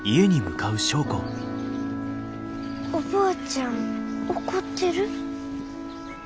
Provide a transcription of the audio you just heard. おばあちゃん怒ってる？